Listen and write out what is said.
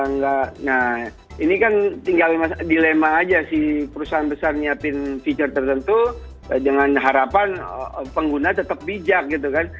nah ini kan tinggal dilema aja si perusahaan besar nyiapin fitur tertentu dengan harapan pengguna tetap bijak gitu kan